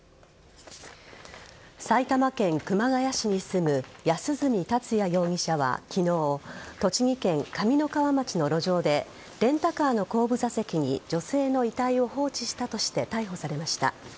埼玉県熊谷市に住む安栖達也容疑者は昨日栃木県上三川町の路上でレンタカーの後部座席に女性の遺体を放置したとして逮捕されました。